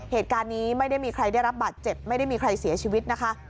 เหตุการณ์นี้ไม่ได้มีใครได้รับบาดเจ็บไม่ได้มีใครเสียชีวิตนะคะ